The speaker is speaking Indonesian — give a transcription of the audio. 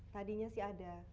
tadinya sih ada